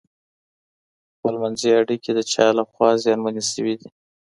خپلمنځي اړیکې د چا له خوا زیانمنې سوي دي؟